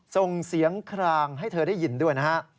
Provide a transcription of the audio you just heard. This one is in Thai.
ส่งเสียงคลางให้เธอได้ยินด้วยนะฮะ